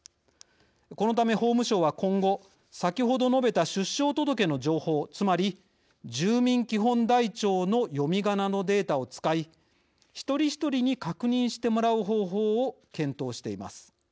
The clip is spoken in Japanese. このため、法務省は今後先ほど述べた出生届の情報つまり住民基本台帳の読みがなのデータを使い一人一人に確認してもらう方法を検討しています。